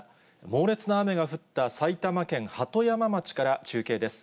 猛烈な雨が降った埼玉県鳩山町から中継です。